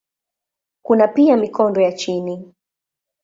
Kuna pia mikondo ya chini.